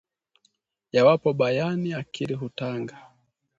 Yawapo bayani akili hutanga